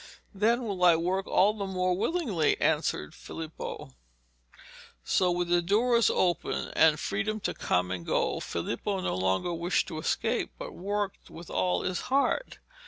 'Then will I work all the more willingly,' answered Filippo. So with doors open, and freedom to come and go, Filippo no longer wished to escape, but worked with all his heart.